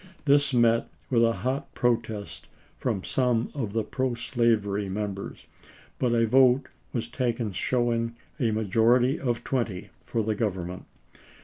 This met with a hot protest from some of the pro slavery Members, but a vote was taken showing a majority of twenty for the Gov ernment.